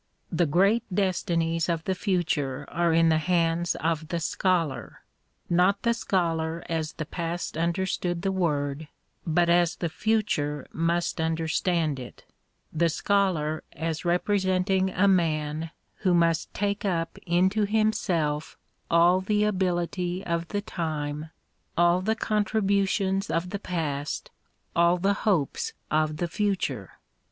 The great destinies of the future are in the hands of the " scholar "— not the scholar as the past under stood the word, but as the future must understand it, the scholar as representing a man who must take up into himself all the ability of the time, all the contributions of the past, all the hopes of the future.